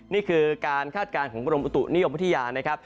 นี่คือการคาดการณ์ของบรมอุตุนิยมพฤทธิา